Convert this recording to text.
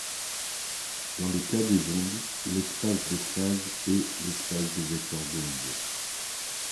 Dans le cas des ondes, l'espace des phases est l'espace des vecteurs d'onde.